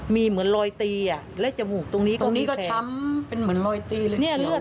มีเหมือนลอยตีและจมูกตรงนี้ตรงนี้ก็ช้ำลง